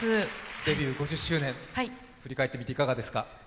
デビュー５０周年、振り返ってみていかがですか。